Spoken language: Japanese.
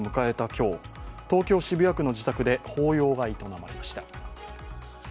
今日東京・渋谷区の自宅で法要が営まれました。